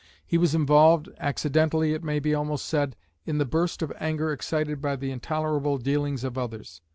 He was involved, accidentally, it may almost be said, in the burst of anger excited by the intolerable dealings of others.